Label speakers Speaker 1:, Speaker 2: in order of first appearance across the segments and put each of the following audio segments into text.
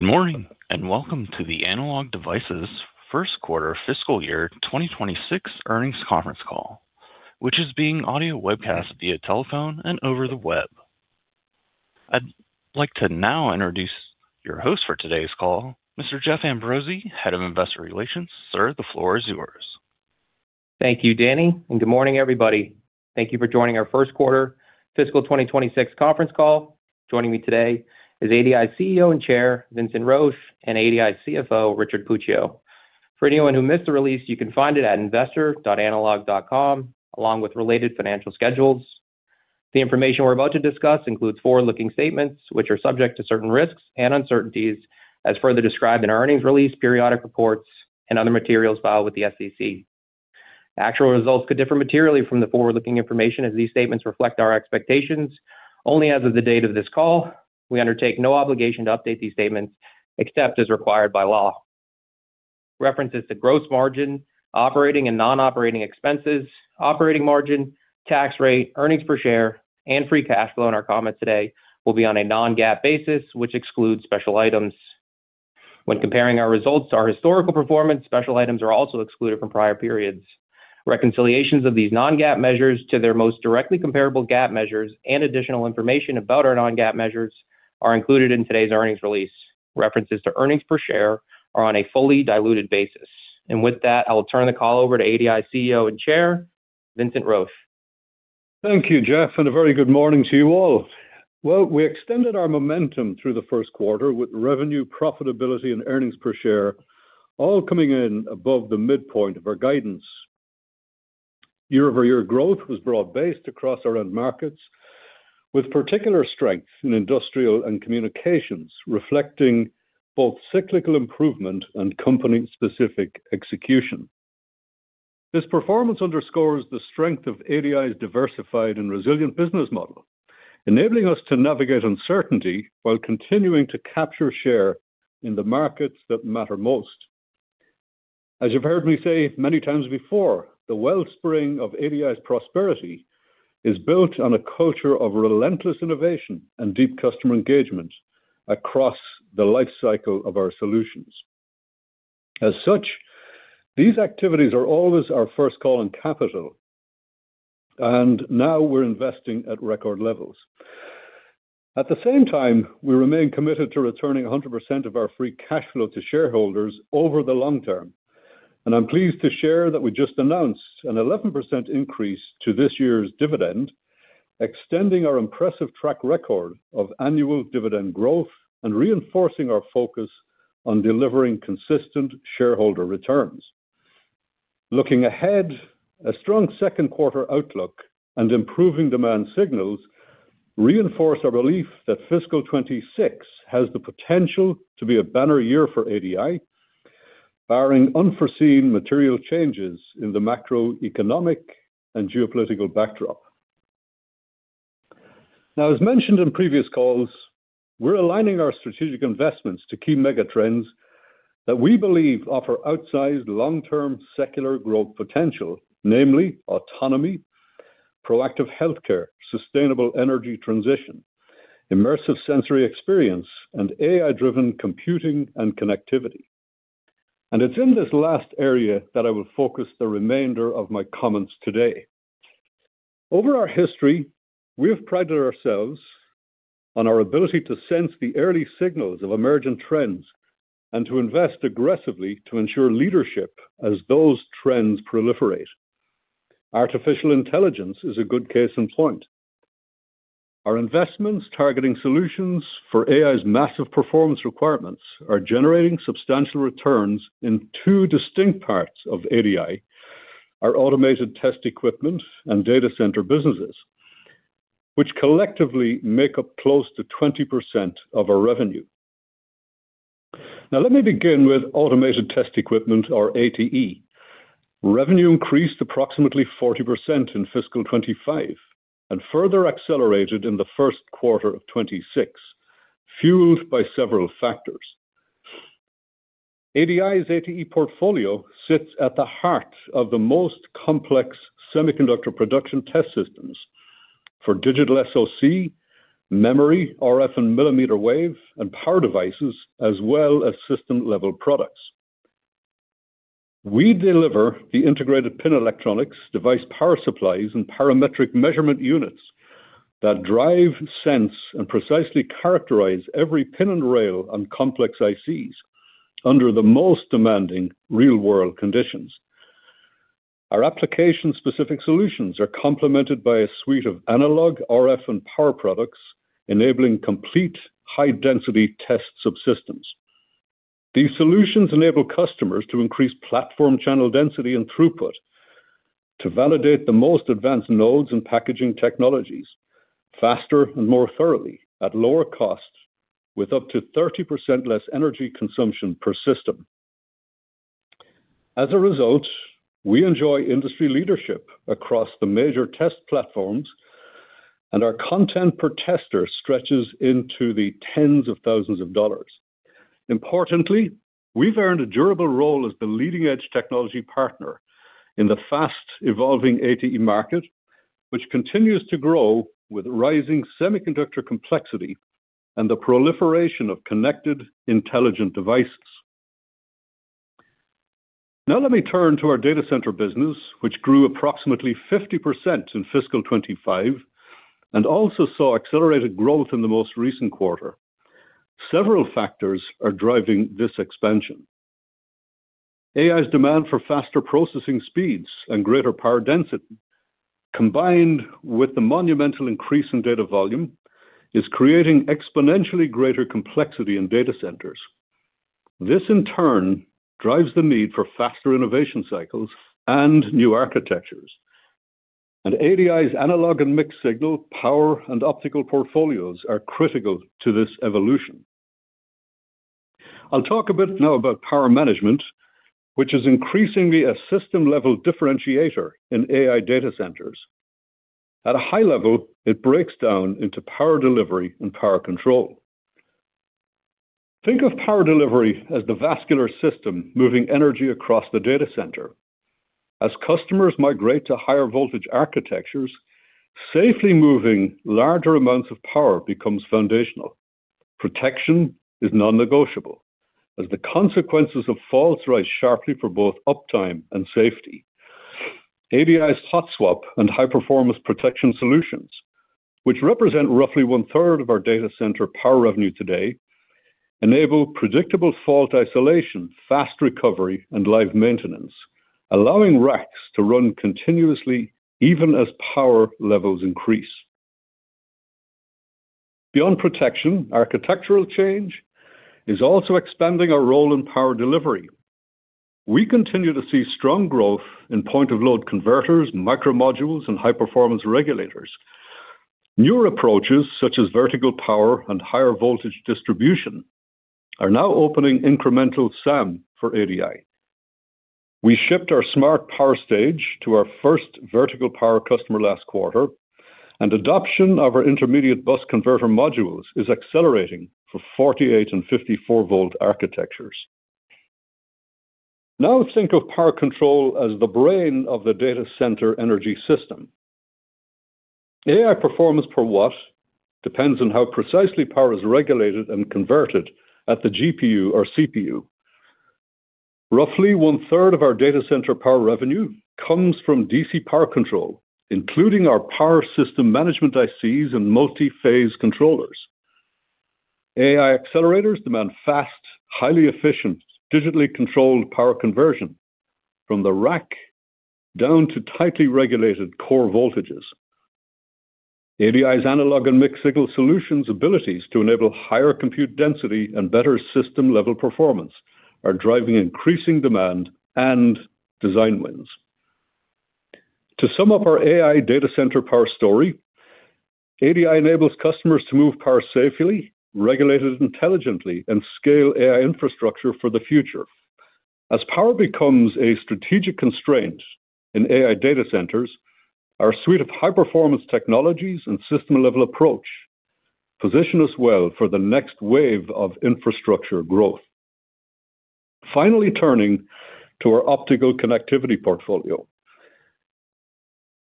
Speaker 1: Good morning, and welcome to the Analog Devices' First Quarter Fiscal Year 2026 Earnings Conference Call, which is being audio webcast via telephone and over the web. I'd like to now introduce your host for today's call, Mr. Jeff Ambrosi, Head of Investor Relations. Sir, the floor is yours.
Speaker 2: Thank you, Danny, and good morning, everybody. Thank you for joining our first quarter fiscal 2026 conference call. Joining me today is ADI CEO and Chair, Vincent Roche, and ADI CFO, Richard Puccio. For anyone who missed the release, you can find it at investor.analog.com, along with related financial schedules. The information we're about to discuss includes forward-looking statements, which are subject to certain risks and uncertainties, as further described in our earnings release, periodic reports, and other materials filed with the SEC. Actual results could differ materially from the forward-looking information, as these statements reflect our expectations only as of the date of this call. We undertake no obligation to update these statements except as required by law. References to gross margin, operating and non-operating expenses, operating margin, tax rate, earnings per share, and free cash flow in our comments today will be on a non-GAAP basis, which excludes special items. When comparing our results to our historical performance, special items are also excluded from prior periods. Reconciliations of these non-GAAP measures to their most directly comparable GAAP measures and additional information about our non-GAAP measures are included in today's earnings release. References to earnings per share are on a fully diluted basis. With that, I will turn the call over to ADI CEO and Chair, Vincent Roche.
Speaker 3: Thank you, Jeff, and a very good morning to you all. Well, we extended our momentum through the first quarter with revenue, profitability, and earnings per share, all coming in above the midpoint of our guidance. Year-over-year growth was broad-based across our end markets, with particular strength in industrial and communications, reflecting both cyclical improvement and company-specific execution. This performance underscores the strength of ADI's diversified and resilient business model, enabling us to navigate uncertainty while continuing to capture share in the markets that matter most. As you've heard me say many times before, the wellspring of ADI's prosperity is built on a culture of relentless innovation and deep customer engagement across the life cycle of our solutions. As such, these activities are always our first call on capital, and now we're investing at record levels. At the same time, we remain committed to returning 100% of our free cash flow to shareholders over the long term, and I'm pleased to share that we just announced an 11% increase to this year's dividend, extending our impressive track record of annual dividend growth and reinforcing our focus on delivering consistent shareholder returns. Looking ahead, a strong second quarter outlook and improving demand signals reinforce our belief that fiscal 2026 has the potential to be a banner year for ADI, barring unforeseen material changes in the macroeconomic and geopolitical backdrop. Now, as mentioned in previous calls, we're aligning our strategic investments to key mega trends that we believe offer outsized, long-term, secular growth potential, namely autonomy, proactive healthcare, sustainable energy transition, immersive sensory experience, and AI-driven computing and connectivity. And it's in this last area that I will focus the remainder of my comments today. Over our history, we have prided ourselves on our ability to sense the early signals of emerging trends and to invest aggressively to ensure leadership as those trends proliferate. Artificial intelligence is a good case in point. Our investments, targeting solutions for AI's massive performance requirements, are generating substantial returns in two distinct parts of ADI, our automated test equipment and data center businesses, which collectively make up close to 20% of our revenue. Now, let me begin with automated test equipment, or ATE. Revenue increased approximately 40% in fiscal 2025 and further accelerated in the first quarter of 2026, fueled by several factors. ADI's ATE portfolio sits at the heart of the most complex semiconductor production test systems for digital SoC, memory, RF, and millimeter wave and power devices, as well as system-level products. We deliver the integrated pin electronics, device power supplies, and parametric measurement units that drive, sense, and precisely characterize every pin and rail on complex ICs under the most demanding real-world conditions. Our application-specific solutions are complemented by a suite of analog, RF, and power products, enabling complete high-density test subsystems. These solutions enable customers to increase platform channel density and throughput to validate the most advanced nodes and packaging technologies faster and more thoroughly at lower costs, with up to 30% less energy consumption per system. As a result, we enjoy industry leadership across the major test platforms, and our content per tester stretches into the tens of thousands of dollars. Importantly, we've earned a durable role as the leading-edge technology partner in the fast-evolving ATE market, which continues to grow with rising semiconductor complexity and the proliferation of connected intelligent devices. Now let me turn to our data center business, which grew approximately 50% in fiscal 2025 and also saw accelerated growth in the most recent quarter. Several factors are driving this expansion. AI's demand for faster processing speeds and greater power density, combined with the monumental increase in data volume, is creating exponentially greater complexity in data centers. This, in turn, drives the need for faster innovation cycles and new architectures. ADI's analog and mixed signal, power, and optical portfolios are critical to this evolution. I'll talk a bit now about power management, which is increasingly a system-level differentiator in AI data centers. At a high level, it breaks down into power delivery and power control. Think of power delivery as the vascular system, moving energy across the data center. As customers migrate to higher voltage architectures, safely moving larger amounts of power becomes foundational. Protection is non-negotiable, as the consequences of faults rise sharply for both uptime and safety. ADI's hot swap and high-performance protection solutions, which represent roughly one-third of our data center power revenue today, enable predictable fault isolation, fast recovery, and live maintenance, allowing racks to run continuously even as power levels increase. Beyond protection, architectural change is also expanding our role in power delivery. We continue to see strong growth in point-of-load converters, micromodules, and high-performance regulators. Newer approaches, such as vertical power and higher voltage distribution, are now opening incremental SAM for ADI. We shipped our Smart Power Stage to our first vertical power customer last quarter, and adoption of our intermediate bus converter modules is accelerating for 48-V and 54-V architectures. Now think of power control as the brain of the data center energy system. AI performance per watt depends on how precisely power is regulated and converted at the GPU or CPU. Roughly one-third of our data center power revenue comes from DC power control, including our power system management ICs and multi-phase controllers. AI accelerators demand fast, highly efficient, digitally controlled power conversion from the rack down to tightly regulated core voltages. ADI's analog and mixed signal solutions abilities to enable higher compute density and better system-level performance are driving increasing demand and design wins. To sum up our AI data center power story, ADI enables customers to move power safely, regulate it intelligently, and scale AI infrastructure for the future. As power becomes a strategic constraint in AI data centers, our suite of high-performance technologies and system-level approach position us well for the next wave of infrastructure growth. Finally, turning to our optical connectivity portfolio.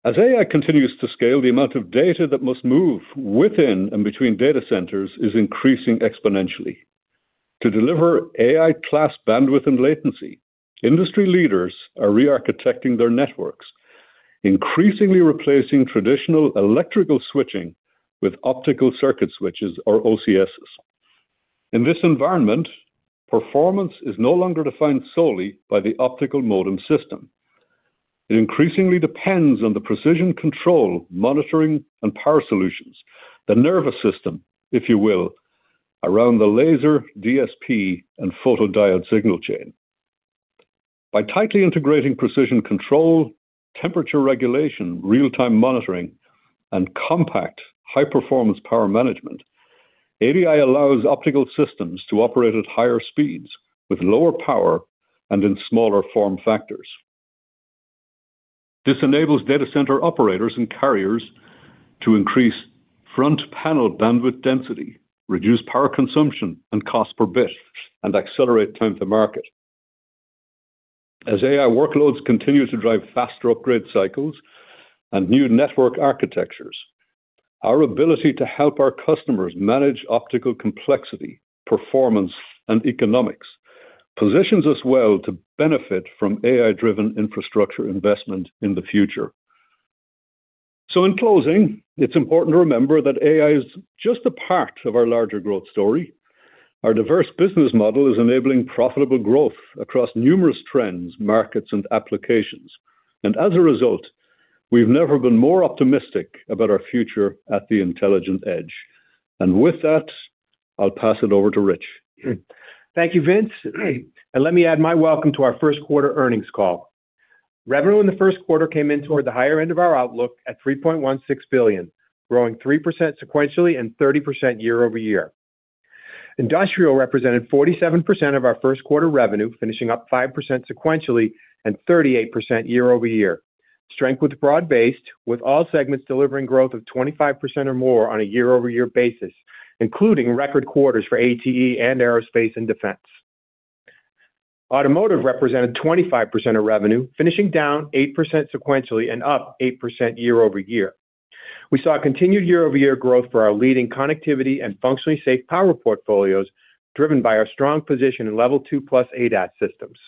Speaker 3: As AI continues to scale, the amount of data that must move within and between data centers is increasing exponentially. To deliver AI class bandwidth and latency, industry leaders are re-architecting their networks, increasingly replacing traditional electrical switching with optical circuit switches or OCSs. In this environment, performance is no longer defined solely by the optical modem system. It increasingly depends on the precision control, monitoring, and power solutions, the nervous system, if you will, around the laser DSP and photodiode signal chain. By tightly integrating precision control, temperature regulation, real-time monitoring, and compact high-performance power management, ADI allows optical systems to operate at higher speeds with lower power and in smaller form factors. This enables data center operators and carriers to increase front panel bandwidth density, reduce power consumption and cost per bit, and accelerate time to market. As AI workloads continue to drive faster upgrade cycles and new network architectures, our ability to help our customers manage optical complexity, performance, and economics positions us well to benefit from AI-driven infrastructure investment in the future. So in closing, it's important to remember that AI is just a part of our larger growth story. Our diverse business model is enabling profitable growth across numerous trends, markets, and applications. And as a result, we've never been more optimistic about our future at the intelligent edge. And with that, I'll pass it over to Rich.
Speaker 4: Thank you, Vince. And let me add my welcome to our first quarter earnings call. Revenue in the first quarter came in toward the higher end of our outlook at $3.16 billion, growing 3% sequentially and 30% year-over-year. Industrial represented 47% of our first quarter revenue, finishing up 5% sequentially and 38% year-over-year. Strength was broad-based, with all segments delivering growth of 25% or more on a year-over-year basis, including record quarters for ATE and Aerospace and Defense. Automotive represented 25% of revenue, finishing down 8% sequentially and up 8% year-over-year. We saw a continued year-over-year growth for our leading connectivity and functionally safe power portfolios, driven by our strong position in Level 2+ ADAS systems.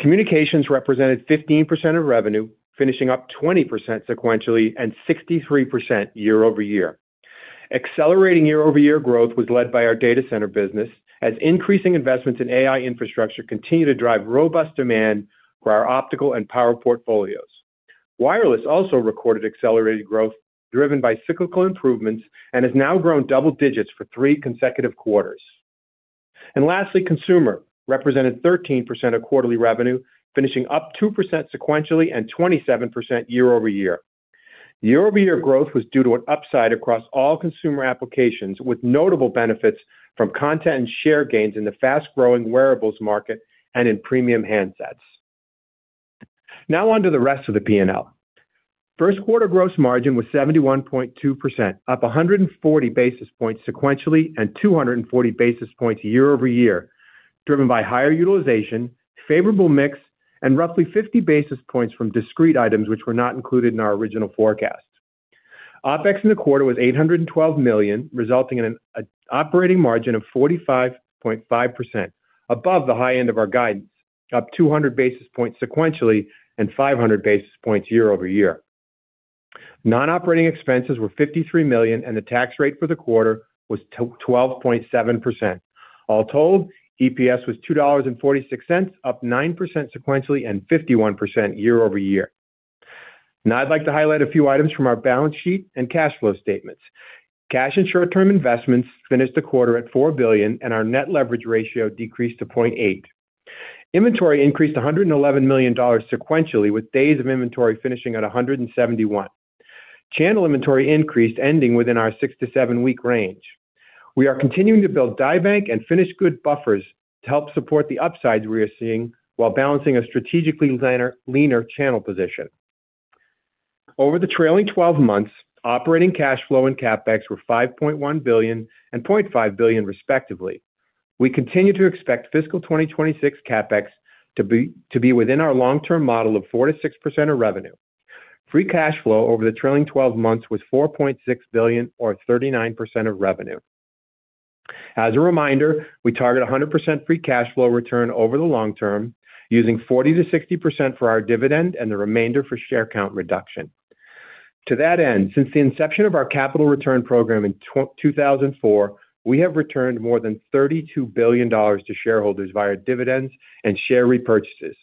Speaker 4: Communications represented 15% of revenue, finishing up 20% sequentially and 63% year-over-year. Accelerating year-over-year growth was led by our data center business, as increasing investments in AI infrastructure continue to drive robust demand for our optical and power portfolios. Wireless also recorded accelerated growth, driven by cyclical improvements, and has now grown double digits for three consecutive quarters. And lastly, consumer represented 13% of quarterly revenue, finishing up 2% sequentially and 27% year-over-year. Year-over-year growth was due to an upside across all consumer applications, with notable benefits from content and share gains in the fast-growing wearables market and in premium handsets. Now on to the rest of the P&L. First quarter gross margin was 71.2%, up 140 basis points sequentially and 240 basis points year-over-year, driven by higher utilization, favorable mix, and roughly 50 basis points from discrete items, which were not included in our original forecast. OpEx in the quarter was $812 million, resulting in an operating margin of 45.5%, above the high end of our guidance, up 200 basis points sequentially and 500 basis points year-over-year. Non-operating expenses were $53 million, and the tax rate for the quarter was twelve point seven percent. All told, EPS was $2.46, up 9% sequentially and 51% year-over-year. Now I'd like to highlight a few items from our balance sheet and cash flow statements. Cash and short-term investments finished the quarter at $4 billion, and our net leverage ratio decreased to 0.8. Inventory increased $111 million sequentially, with days of inventory finishing at 171. Channel inventory increased, ending within our six- to seven-week range. We are continuing to build die bank and finished goods buffers to help support the upsides we are seeing, while balancing a strategically leaner, leaner channel position. Over the trailing twelve months, operating cash flow and CapEx were $5.1 billion and $0.5 billion, respectively. We continue to expect fiscal 2026 CapEx to be, to be within our long-term model of 4%-6% of revenue. Free cash flow over the trailing twelve months was $4.6 billion, or 39% of revenue. As a reminder, we target 100% free cash flow return over the long term, using 40%-60% for our dividend and the remainder for share count reduction. To that end, since the inception of our capital return program in 2004, we have returned more than $32 billion to shareholders via dividends and share repurchases.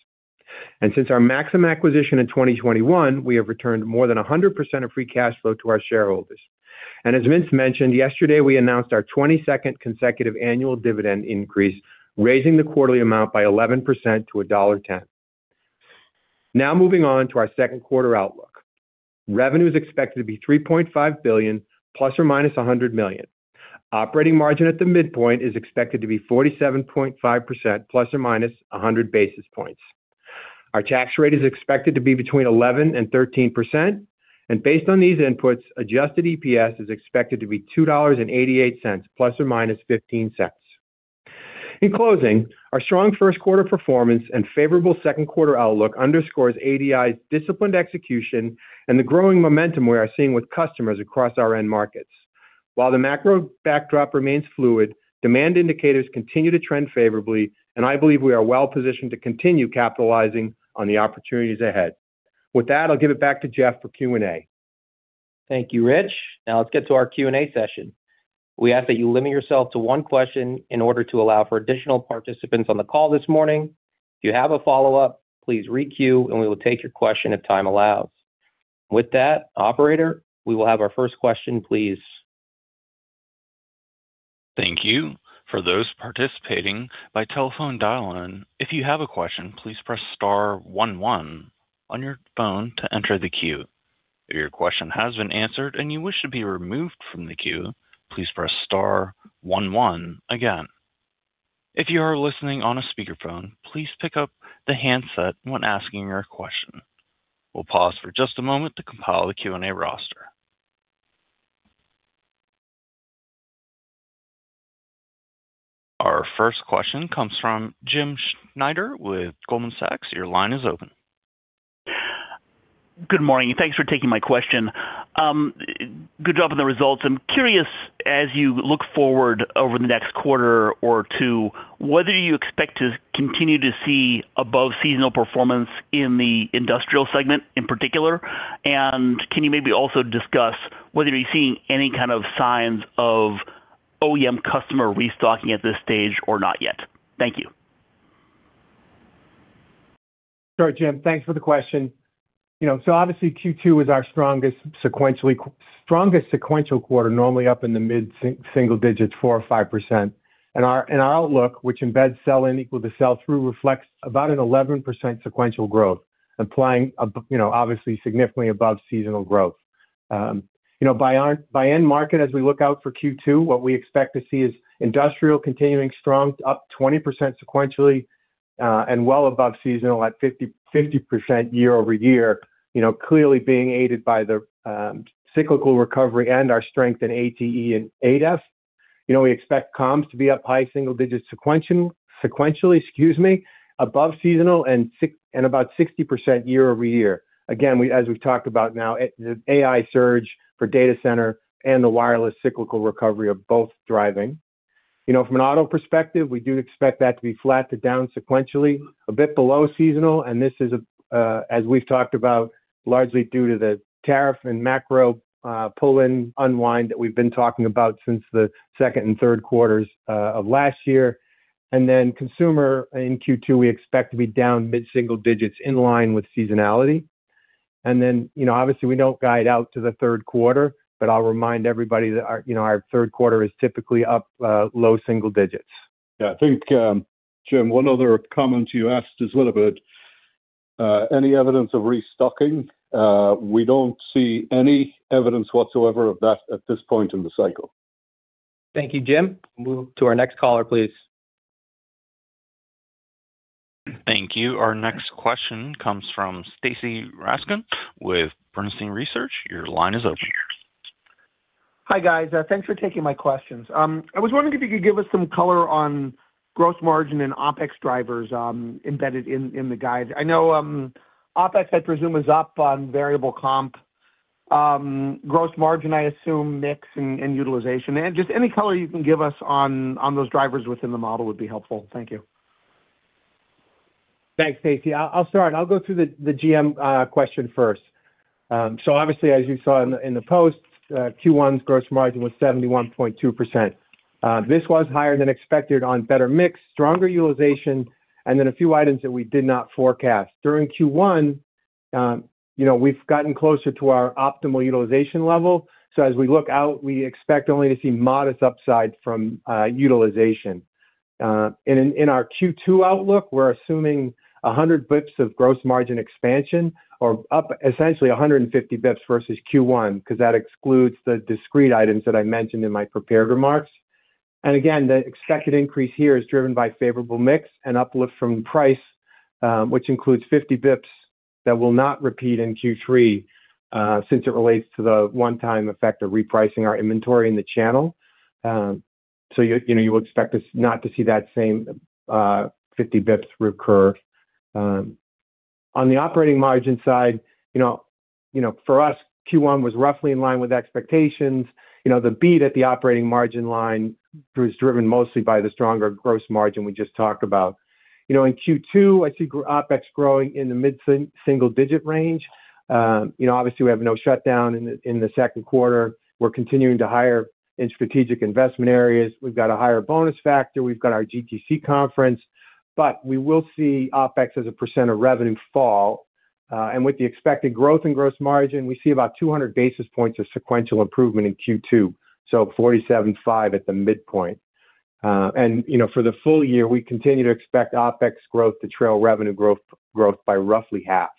Speaker 4: Since our Maximum acquisition in 2021, we have returned more than 100% of free cash flow to our shareholders. As Vince mentioned, yesterday, we announced our 22nd consecutive annual dividend increase, raising the quarterly amount by 11% to $1.10. Now moving on to our second quarter outlook. Revenue is expected to be $3.5 billion, ±$100 million. Operating margin at the midpoint is expected to be 47.5%, ±100 basis points. Our tax rate is expected to be between 11% and 13%, and based on these inputs, adjusted EPS is expected to be $2.88, ±$0.15. In closing, our strong first quarter performance and favorable second quarter outlook underscores ADI's disciplined execution and the growing momentum we are seeing with customers across our end markets. While the macro backdrop remains fluid, demand indicators continue to trend favorably, and I believe we are well positioned to continue capitalizing on the opportunities ahead. With that, I'll give it back to Jeff for Q&A.
Speaker 2: Thank you, Rich. Now let's get to our Q&A session. We ask that you limit yourself to one question in order to allow for additional participants on the call this morning. If you have a follow-up, please re-queue, and we will take your question if time allows. With that, operator, we will have our first question, please.
Speaker 1: Thank you. For those participating by telephone dial-in, if you have a question, please press star one one on your phone to enter the queue. If your question has been answered and you wish to be removed from the queue, please press star one one again. If you are listening on a speakerphone, please pick up the handset when asking your question. We'll pause for just a moment to compile the Q&A roster. Our first question comes from Jim Schneider with Goldman Sachs. Your line is open.
Speaker 5: Good morning, and thanks for taking my question. Good job on the results. I'm curious, as you look forward over the next quarter or two, whether you expect to continue to see above-seasonal performance in the industrial segment in particular, and can you maybe also discuss whether you're seeing any kind of signs of OEM customer restocking at this stage or not yet? Thank you.
Speaker 4: Sure, Jim. Thanks for the question. You know, so obviously Q2 is our strongest sequential quarter, normally up in the mid-single digits, 4% or 5%. And our outlook, which embeds sell-in equal to sell-through, reflects about an 11% sequential growth, implying you know, obviously significantly above seasonal growth. You know, by end market, as we look out for Q2, what we expect to see is industrial continuing strong, up 20% sequentially, and well above seasonal at 50% year-over-year. You know, clearly being aided by the cyclical recovery and our strength in ATE and ADEF. You know, we expect comms to be up high-single digits sequentially, excuse me, above seasonal and about 60% year-over-year. Again, we, as we've talked about now, at the AI surge for data center and the wireless cyclical recovery are both thriving. You know, from an auto perspective, we do expect that to be flat to down sequentially, a bit below seasonal, and this is, as we've talked about, largely due to the tariff and macro, pull-in unwind that we've been talking about since the second and third quarters of last year. And then consumer in Q2, we expect to be down mid-single digits in line with seasonality. And then, you know, obviously, we don't guide out to the third quarter, but I'll remind everybody that our, you know, our third quarter is typically up, low single digits.
Speaker 3: Yeah, I think, Jim, one other comment you asked is a little bit, any evidence of restocking? We don't see any evidence whatsoever of that at this point in the cycle.
Speaker 2: Thank you, Jim. Move to our next caller, please.
Speaker 1: Thank you. Our next question comes from Stacy Rasgon with Bernstein Research. Your line is open.
Speaker 6: Hi, guys, thanks for taking my questions. I was wondering if you could give us some color on gross margin and OpEx drivers, embedded in the guide. I know, OpEx, I presume, is up on variable comp. Gross margin, I assume, mix and utilization. And just any color you can give us on those drivers within the model would be helpful. Thank you.
Speaker 4: Thanks, Stacy. I'll start. I'll go through the GM question first. So obviously, as you saw in the post, Q1's gross margin was 71.2%. This was higher than expected on better mix, stronger utilization, and then a few items that we did not forecast. During Q1, you know, we've gotten closer to our optimal utilization level. So as we look out, we expect only to see modest upside from utilization. And in our Q2 outlook, we're assuming 100 basis points of gross margin expansion or up essentially 150 basis points versus Q1, because that excludes the discrete items that I mentioned in my prepared remarks. And again, the expected increase here is driven by favorable mix and uplift from price, which includes 50 basis points that will not repeat in Q3, since it relates to the one-time effect of repricing our inventory in the channel. So you know, you would expect us not to see that same 50 basis points recur. On the operating margin side, you know, for us, Q1 was roughly in line with expectations. You know, the beat at the operating margin line was driven mostly by the stronger gross margin we just talked about. You know, in Q2, I see OpEx growing in the mid-single-digit range. You know, obviously, we have no shutdown in the second quarter. We're continuing to hire in strategic investment areas. We've got a higher bonus factor. We've got our GTC conference. But we will see OpEx as a percent of revenue fall. And with the expected growth in gross margin, we see about 200 basis points of sequential improvement in Q2, so 47.5% at the midpoint. And, you know, for the full year, we continue to expect OpEx growth to trail revenue growth, growth by roughly half.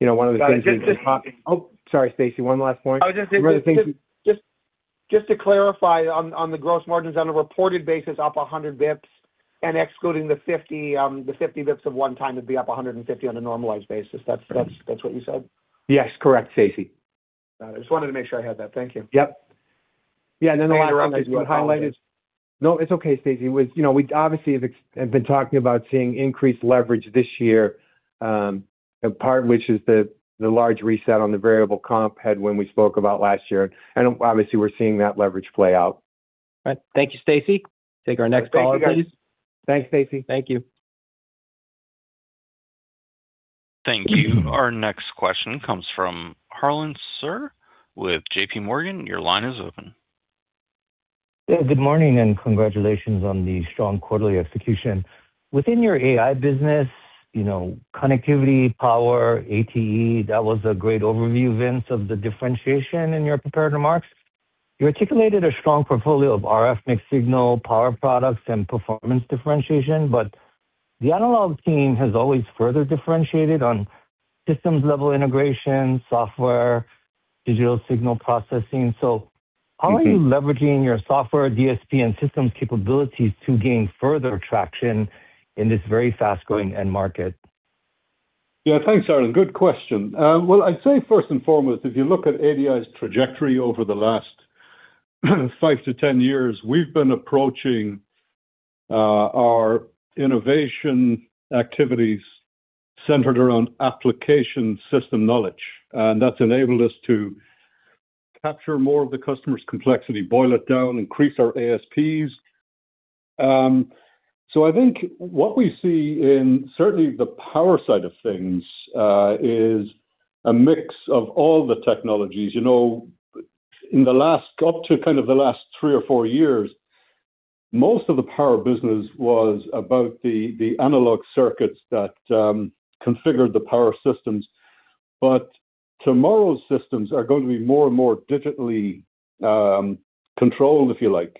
Speaker 4: You know, one of the things—
Speaker 6: Just, just—
Speaker 4: Oh, sorry, Stacy, one last point.
Speaker 6: I was just—
Speaker 4: One of the things you—
Speaker 6: Just to clarify on the gross margins, on a reported basis, up 100 basis points and excluding the 50 basis points of one-time would be up 150 on a normalized basis. That's what you said?
Speaker 4: Yes, correct, Stacy.
Speaker 6: Just wanted to make sure I had that. Thank you.
Speaker 4: Yep. Yeah, and then the last thing we highlighted—
Speaker 6: I apologize.
Speaker 4: No, it's okay, Stacy. With, you know, we obviously have been talking about seeing increased leverage this year, and part of which is the large reset on the variable comp head when we spoke about last year. And obviously, we're seeing that leverage play out.
Speaker 2: All right. Thank you, Stacy. Take our next caller, please.
Speaker 4: Thanks, Stacy.
Speaker 6: Thank you.
Speaker 1: Thank you. Our next question comes from Harlan Sur with JPMorgan. Your line is open.
Speaker 7: Yeah, good morning and congratulations on the strong quarterly execution. Within your AI business, you know, connectivity, power, ATE, that was a great overview, Vince, of the differentiation in your prepared remarks. You articulated a strong portfolio of RF mixed signal, power products, and performance differentiation, but the analog team has always further differentiated on systems-level integration, software, digital signal processing. So how are you leveraging your software, DSP, and systems capabilities to gain further traction in this very fast-growing end market?
Speaker 3: Yeah, thanks, Harlan. Good question. Well, I'd say first and foremost, if you look at ADI's trajectory over the last five to 10 years, we've been approaching our innovation activities centered around application system knowledge, and that's enabled us to capture more of the customer's complexity, boil it down, increase our ASPs. So I think what we see in, certainly the power side of things, is a mix of all the technologies. You know, in the last up to kind of the last three or four years, most of the power business was about the analog circuits that configured the power systems. But tomorrow's systems are going to be more and more digitally controlled, if you like.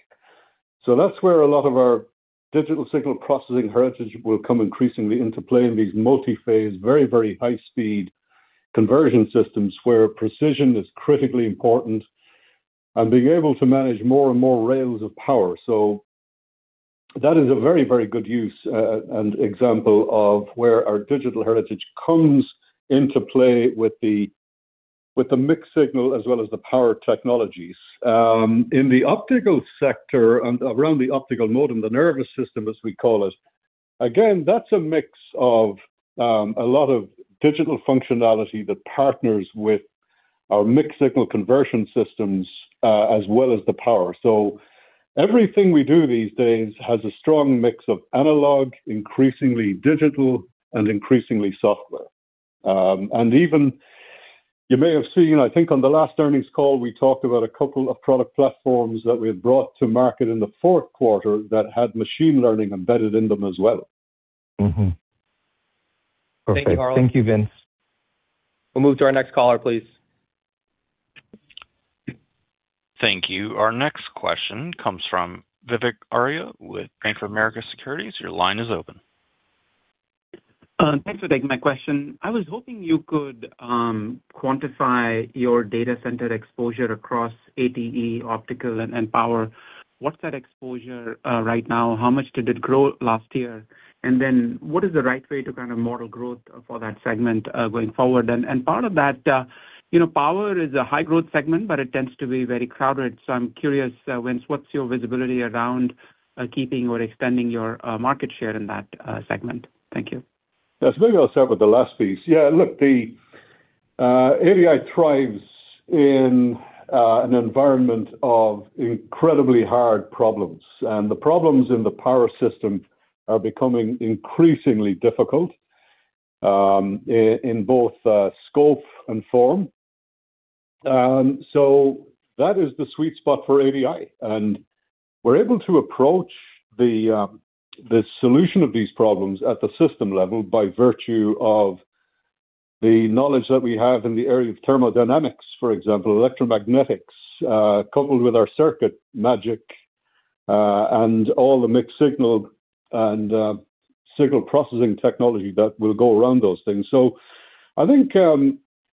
Speaker 3: So that's where a lot of our digital signal processing heritage will come increasingly into play in these multi-phase, very, very high speed conversion systems, where precision is critically important and being able to manage more and more rails of power. So that is a very, very good use and example of where our digital heritage comes into play with the mixed signal as well as the power technologies. In the optical sector and around the optical modem, the nervous system, as we call it, again, that's a mix of a lot of digital functionality that partners with our mixed signal conversion systems as well as the power. So everything we do these days has a strong mix of analog, increasingly digital, and increasingly software. And even you may have seen, I think on the last earnings call, we talked about a couple of product platforms that we had brought to market in the fourth quarter that had machine learning embedded in them as well.
Speaker 7: Perfect.
Speaker 3: Thank you, Harlan.
Speaker 7: Thank you, Vince.
Speaker 2: We'll move to our next caller, please.
Speaker 1: Thank you. Our next question comes from Vivek Arya with Bank of America Securities. Your line is open.
Speaker 8: Thanks for taking my question. I was hoping you could quantify your data center exposure across ATE, optical, and power. What's that exposure right now? How much did it grow last year? And then what is the right way to kind of model growth for that segment going forward? And part of that, you know, power is a high growth segment, but it tends to be very crowded. So I'm curious, Vince, what's your visibility around keeping or extending your market share in that segment? Thank you.
Speaker 3: Yes. Maybe I'll start with the last piece. Yeah, look, the ADI thrives in an environment of incredibly hard problems, and the problems in the power system are becoming increasingly difficult, in both scope and form. So that is the sweet spot for ADI, and we're able to approach the solution of these problems at the system level by virtue of the knowledge that we have in the area of thermodynamics, for example, electromagnetics, coupled with our circuit magic, and all the mixed signal and signal processing technology that will go around those things. So I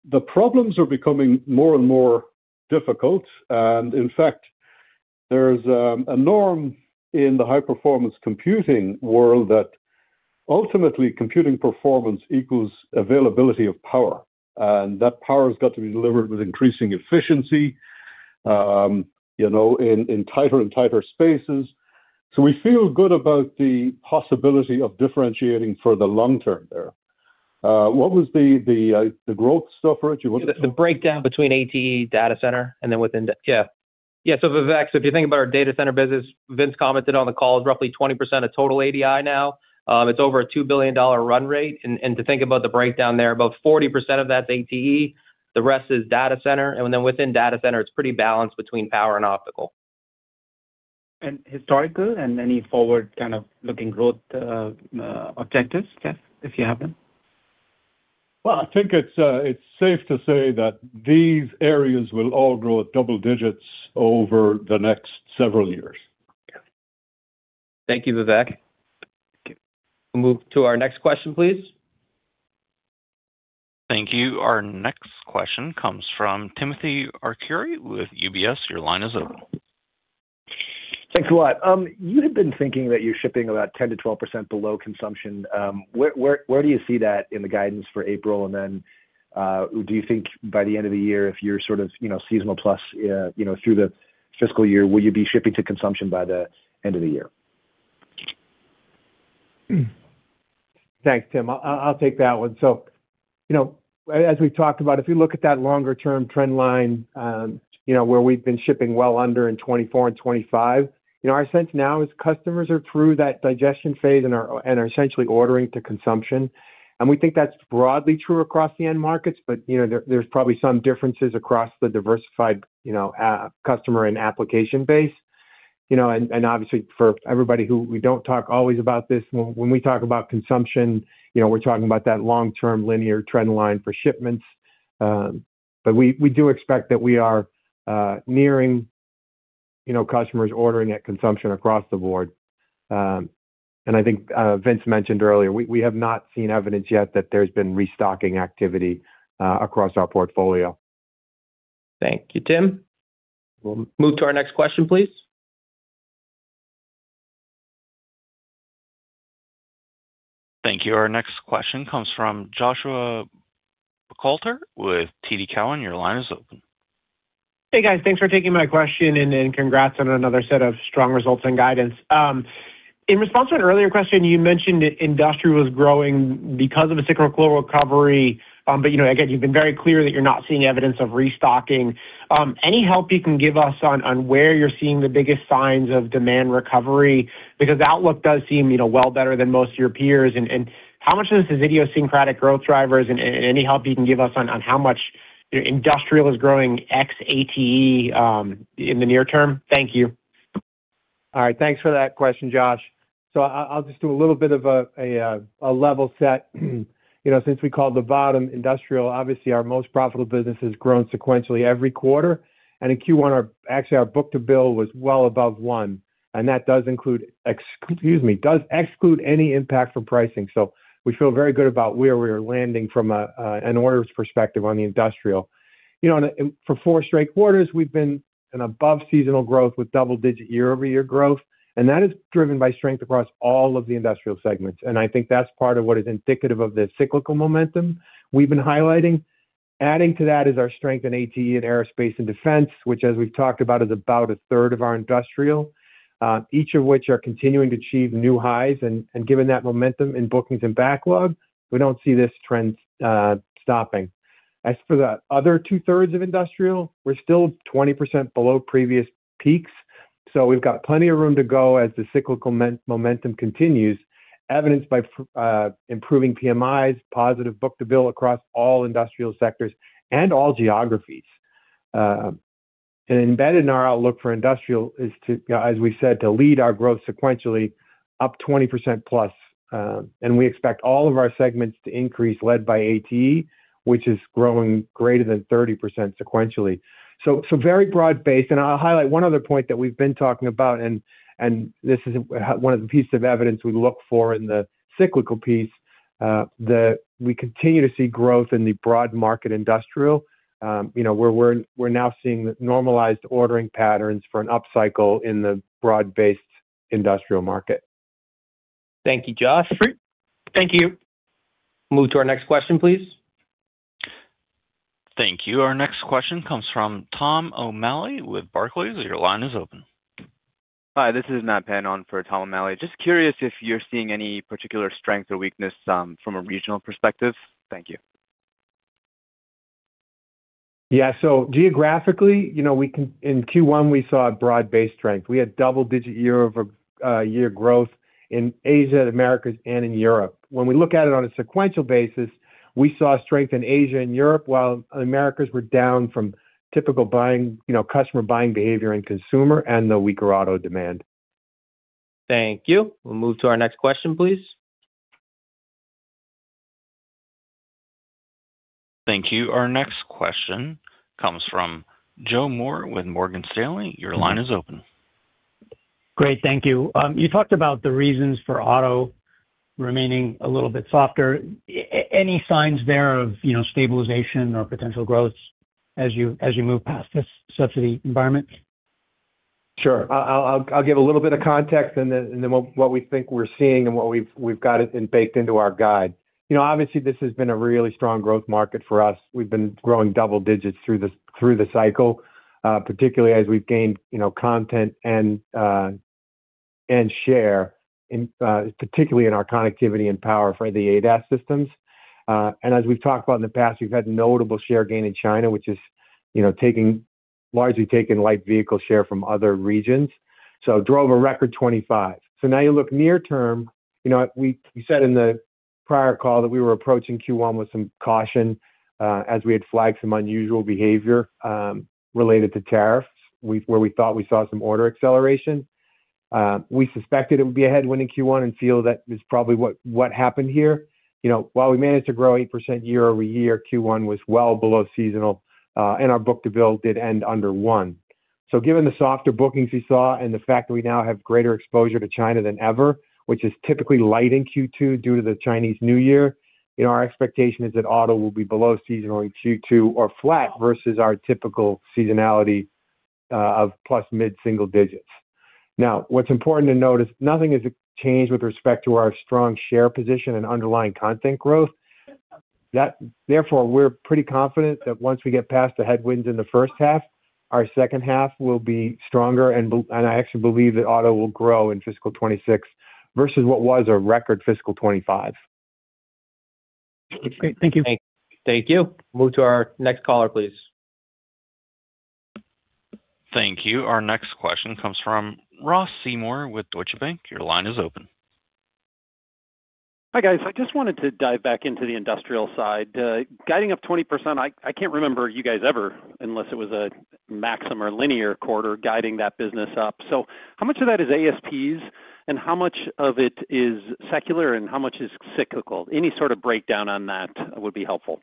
Speaker 3: think the problems are becoming more and more difficult. And in fact, there's a norm in the high-performance computing world that ultimately computing performance equals availability of power, and that power has got to be delivered with increasing efficiency, you know, in tighter and tighter spaces. So we feel good about the possibility of differentiating for the long term there. What was the growth stuff, Rich? You wanted to-
Speaker 2: The breakdown between ATE data center and then within the... Yeah. Yeah. So, Vivek, so if you think about our data center business, Vince commented on the call, roughly 20% of total ADI now. It's over a $2 billion run rate. And, and to think about the breakdown there, about 40% of that is ATE, the rest is data center, and then within data center, it's pretty balanced between power and optical.
Speaker 8: Historical and any forward kind of looking growth objectives, Jeff, if you have them?
Speaker 3: Well, I think it's safe to say that these areas will all grow at double digits over the next several years.
Speaker 2: Thank you, Vivek. We'll move to our next question, please.
Speaker 1: Thank you. Our next question comes from Timothy Arcuri with UBS. Your line is open.
Speaker 9: Thanks a lot. You had been thinking that you're shipping about 10%-12% below consumption. Where do you see that in the guidance for April? And then, do you think by the end of the year, if you're sort of, you know, seasonal plus, you know, through the fiscal year, will you be shipping to consumption by the end of the year?
Speaker 4: Thanks, Tim. I'll take that one. So, you know, as we've talked about, if you look at that longer term trend line, you know, where we've been shipping well under in 2024 and 2025, you know, our sense now is customers are through that digestion phase and are essentially ordering to consumption. And we think that's broadly true across the end markets, but, you know, there, there's probably some differences across the diversified, you know, customer and application base. You know, and obviously for everybody who we don't talk always about this, when we talk about consumption, you know, we're talking about that long-term linear trend line for shipments. But we do expect that we are nearing, you know, customers ordering at consumption across the board. I think Vince mentioned earlier, we have not seen evidence yet that there's been restocking activity across our portfolio.
Speaker 2: Thank you, Tim. We'll move to our next question, please.
Speaker 1: Thank you. Our next question comes from Joshua Buchalter with TD Cowen. Your line is open.
Speaker 10: Hey, guys. Thanks for taking my question, and then congrats on another set of strong results and guidance. In response to an earlier question, you mentioned that Industrial was growing because of a cyclical recovery. But you know, again, you've been very clear that you're not seeing evidence of restocking. Any help you can give us on where you're seeing the biggest signs of demand recovery? Because the outlook does seem, you know, well better than most of your peers. And how much of this is idiosyncratic growth drivers, and any help you can give us on how much Industrial is growing ex-ATE in the near term? Thank you.
Speaker 4: All right, thanks for that question, Josh. So I, I'll just do a little bit of a, a level set. You know, since we called the bottom industrial, obviously our most profitable business has grown sequentially every quarter, and in Q1, our, actually, our book-to-bill was well above 1, and that does include, excuse me, does exclude any impact from pricing. So we feel very good about where we are landing from a, an orders perspective on the industrial. You know, and for four straight quarters, we've been an above seasonal growth with double-digit year-over-year growth, and that is driven by strength across all of the industrial segments. And I think that's part of what is indicative of the cyclical momentum we've been highlighting. Adding to that is our strength in ATE and Aerospace and Defense, which as we've talked about, is about a third of our industrial, each of which are continuing to achieve new highs. And given that momentum in bookings and backlog, we don't see this trend stopping. As for the other two-thirds of industrial, we're still 20% below previous peaks, so we've got plenty of room to go as the cyclical momentum continues, evidenced by improving PMIs, positive book-to-bill across all industrial sectors and all geographies. And embedded in our outlook for industrial is, as we said, to lead our growth sequentially up 20%+, and we expect all of our segments to increase, led by ATE, which is growing greater than 30% sequentially. So very broad-based. I'll highlight one other point that we've been talking about, and this is one of the pieces of evidence we look for in the cyclical piece, that we continue to see growth in the broad market industrial. You know, we're now seeing normalized ordering patterns for an upcycle in the broad-based industrial market.
Speaker 2: Thank you, Josh.
Speaker 10: Thank you.
Speaker 2: Move to our next question, please.
Speaker 1: Thank you. Our next question comes from Tom O'Malley with Barclays. Your line is open.
Speaker 11: Hi, this is Matt Pan on for Tom O'Malley. Just curious if you're seeing any particular strength or weakness, from a regional perspective. Thank you.
Speaker 4: Yeah, so geographically, you know, we can in Q1, we saw a broad-based strength. We had double-digit year-over-year growth in Asia, the Americas, and in Europe. When we look at it on a sequential basis, we saw strength in Asia and Europe, while Americas were down from typical buying, you know, customer buying behavior and consumer and the weaker auto demand.
Speaker 2: Thank you. We'll move to our next question, please.
Speaker 1: Thank you. Our next question comes from Joe Moore with Morgan Stanley. Your line is open.
Speaker 12: Great. Thank you. You talked about the reasons for auto remaining a little bit softer. Any signs there of, you know, stabilization or potential growth as you, as you move past this subsidy environment?
Speaker 4: Sure. I'll give a little bit of context and then what we think we're seeing and what we've got it baked into our guide. You know, obviously, this has been a really strong growth market for us. We've been growing double digits through the cycle, particularly as we've gained you know content and share in particularly in our connectivity and power for the ADAS systems. And as we've talked about in the past, we've had notable share gain in China, which is you know largely taking light vehicle share from other regions. So drove a record 2025. So now you look near term, you know, we, we said in the prior call that we were approaching Q1 with some caution, as we had flagged some unusual behavior related to tariffs, where we thought we saw some order acceleration. We suspected it would be a headwind in Q1 and feel that is probably what happened here. You know, while we managed to grow 8% year-over-year, Q1 was well below seasonal, and our book-to-bill did end under 1. So given the softer bookings we saw and the fact that we now have greater exposure to China than ever, which is typically light in Q2 due to the Chinese New Year, you know, our expectation is that auto will be below seasonally Q2 or flat versus our typical seasonality of plus mid-single digits. Now, what's important to note is nothing has changed with respect to our strong share position and underlying content growth. That therefore, we're pretty confident that once we get past the headwinds in the first half, our second half will be stronger, and I actually believe that auto will grow in fiscal 2026 versus what was a record fiscal 2025.
Speaker 12: Great. Thank you.
Speaker 2: Thank you. Move to our next caller, please.
Speaker 1: Thank you. Our next question comes from Ross Seymore with Deutsche Bank. Your line is open.
Speaker 13: Hi, guys. I just wanted to dive back into the industrial side, guiding up 20%. I can't remember you guys ever, unless it was a Maxim or Linear quarter, guiding that business up. So how much of that is ASPs, and how much of it is secular and how much is cyclical? Any sort of breakdown on that would be helpful.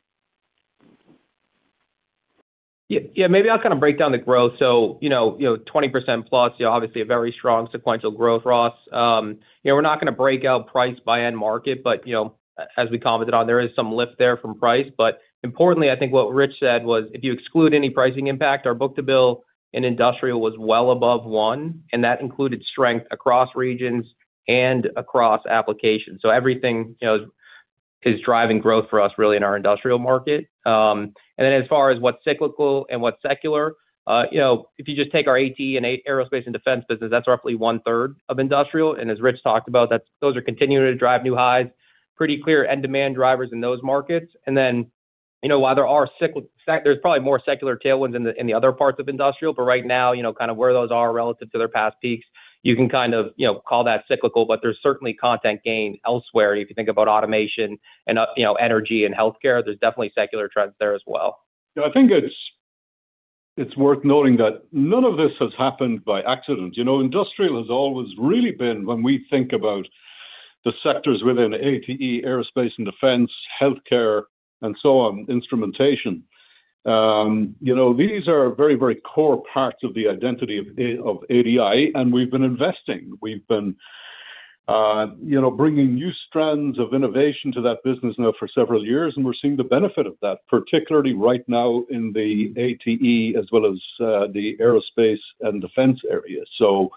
Speaker 2: Yeah, yeah. Maybe I'll kind of break down the growth. So, you know, you know, 20%+, obviously a very strong sequential growth, Ross. You know, we're not gonna break out price by end market, but, you know, as we commented on, there is some lift there from price. But importantly, I think what Rich said was, if you exclude any pricing impact, our book-to-bill in industrial was well above one, and that included strength across regions and across applications. So everything, you know, is driving growth for us really in our industrial market. And then as far as what's cyclical and what's secular, you know, if you just take our ATE and Aerospace and Defense business, that's roughly one-third of industrial. And as Rich talked about, that's- those are continuing to drive new highs, pretty clear end demand drivers in those markets. And then, you know, while there are cyclical, there's probably more secular tailwinds in the, in the other parts of industrial, but right now, you know, kind of where those are relative to their past peaks, you can kind of, you know, call that cyclical, but there's certainly content gain elsewhere. If you think about automation and, you know, energy and healthcare, there's definitely secular trends there as well.
Speaker 3: I think it's worth noting that none of this has happened by accident. You know, industrial has always really been, when we think about the sectors within ATE, aerospace and defense, healthcare, and so on, instrumentation. You know, these are very, very core parts of the identity of ADI, and we've been investing. We've been, you know, bringing new strands of innovation to that business now for several years, and we're seeing the benefit of that, particularly right now in the ATE as well as the aerospace and defense area. So,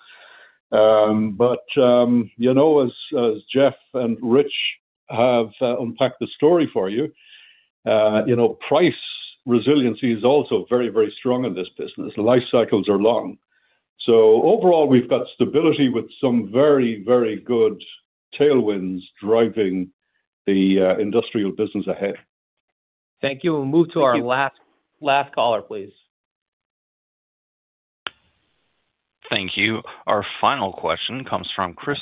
Speaker 3: but you know, as Jeff and Rich have unpacked the story for you, you know, price resiliency is also very, very strong in this business. Life cycles are long. So overall, we've got stability with some very, very good tailwinds driving the industrial business ahead.
Speaker 2: Thank you. We'll move to our last, last caller, please.
Speaker 1: Thank you. Our final question comes from Chris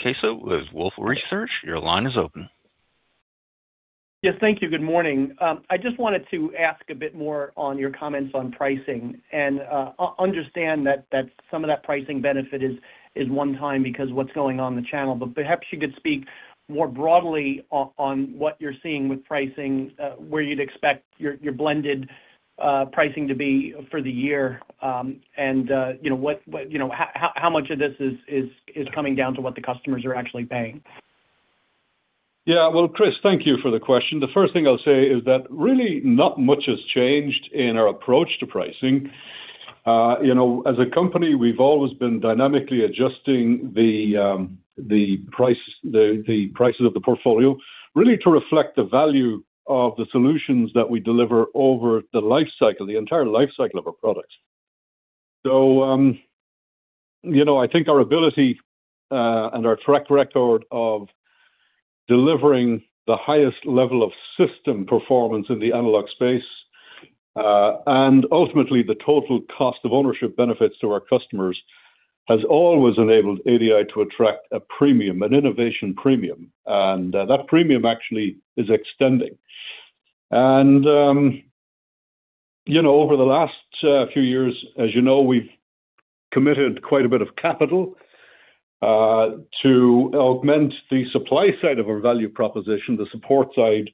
Speaker 1: Caso with Wolfe Research. Your line is open.
Speaker 14: Yes, thank you. Good morning. I just wanted to ask a bit more on your comments on pricing. And understand that some of that pricing benefit is one time because what's going on in the channel. But perhaps you could speak more broadly on what you're seeing with pricing, where you'd expect your blended pricing to be for the year. And you know, what you know, how much of this is coming down to what the customers are actually paying?
Speaker 3: Yeah. Well, Chris, thank you for the question. The first thing I'll say is that really not much has changed in our approach to pricing. You know, as a company, we've always been dynamically adjusting the prices of the portfolio, really to reflect the value of the solutions that we deliver over the life cycle, the entire life cycle of our products. So, you know, I think our ability and our track record of delivering the highest level of system performance in the analog space and ultimately, the total cost of ownership benefits to our customers, has always enabled ADI to attract a premium, an innovation premium, and that premium actually is extending. And, you know, over the last few years, as you know, we've committed quite a bit of capital to augment the supply side of our value proposition, the support side,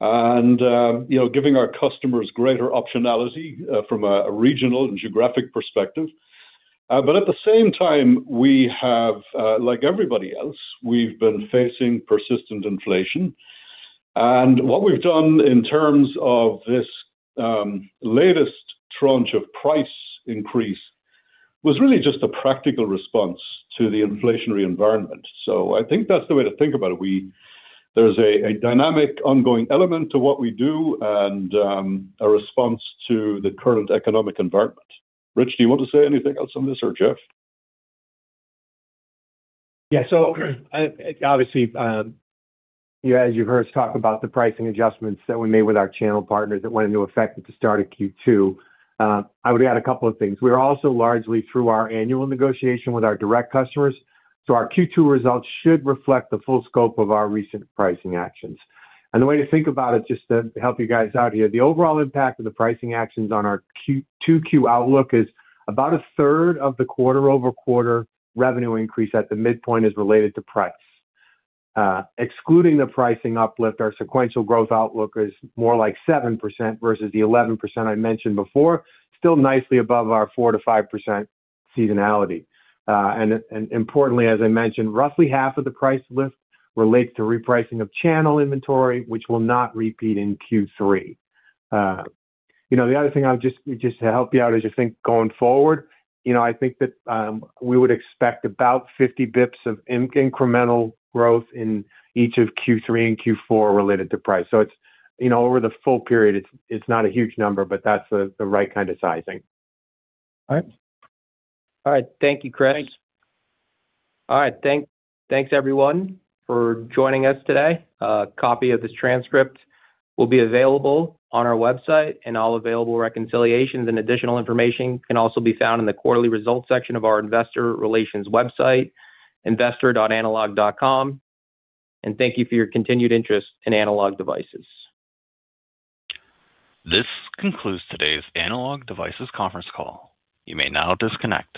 Speaker 3: and, you know, giving our customers greater optionality from a regional and geographic perspective. But at the same time, we have, like everybody else, we've been facing persistent inflation. And what we've done in terms of this latest tranche of price increase was really just a practical response to the inflationary environment. So I think that's the way to think about it. There's a dynamic ongoing element to what we do and a response to the current economic environment. Rich, do you want to say anything else on this or Jeff?
Speaker 4: Yeah. So obviously, yeah, as you heard us talk about the pricing adjustments that we made with our channel partners that went into effect at the start of Q2, I would add a couple of things. We are also largely through our annual negotiation with our direct customers, so our Q2 results should reflect the full scope of our recent pricing actions. And the way to think about it, just to help you guys out here, the overall impact of the pricing actions on our Q2 outlook is about a third of the quarter-over-quarter revenue increase at the midpoint is related to price. Excluding the pricing uplift, our sequential growth outlook is more like 7% versus the 11% I mentioned before, still nicely above our 4%-5% seasonality. And importantly, as I mentioned, roughly half of the price lift relates to repricing of channel inventory, which will not repeat in Q3. You know, the other thing I would just to help you out as you think going forward, you know, I think that we would expect about 50 basis points of incremental growth in each of Q3 and Q4 related to price. So it's, you know, over the full period, it's not a huge number, but that's the right kind of sizing.
Speaker 14: All right.
Speaker 2: All right. Thank you, Chris. All right, thanks everyone for joining us today. A copy of this transcript will be available on our website, and all available reconciliations and additional information can also be found in the quarterly results section of our investor relations website, investor.analog.com. Thank you for your continued interest in Analog Devices.
Speaker 1: This concludes today's Analog Devices conference call. You may now disconnect.